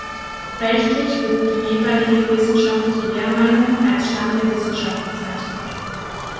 Rechtlich wird die jeweilige wissenschaftliche Lehrmeinung als „Stand der Wissenschaft“ bezeichnet.